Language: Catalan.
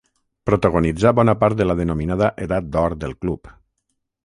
Protagonitzà bona part de la denominada Edat d'Or del club.